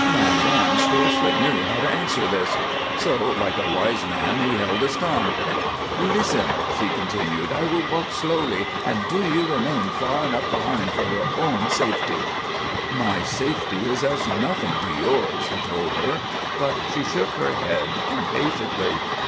Van Dam scarcely knew how to answer this. So, like a wise man, he held his tongue. "Listen!" she continued. "I will walk slowly, and do you remain far enough behind for your own safety " "My safety is as nothing to yours," he told her, but she shook her head impatiently.